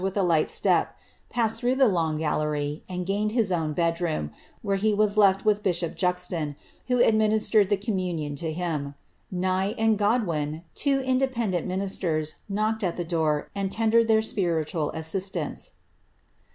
199 hh a light step, passed through the long gallery, and gained Uroom, where he was led with bishop Juxon, who adminis* mmanion to him. Nye and Godwin, two independent minis ^d at the door, and tendered their spiritual assistance.